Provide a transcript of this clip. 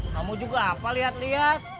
kamu juga apa liat liat